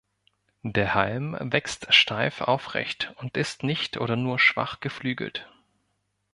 Der Halm wächst steif aufrecht und ist nicht oder nur schwach geflügelt.